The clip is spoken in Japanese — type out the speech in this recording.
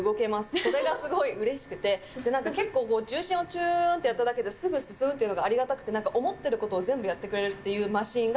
それがすごいうれしくて、なんか結構、重心をチューンってやっただけで、すぐ進むっていうのがありがたくて、思ってることを全部やってくれるっていうマシンが。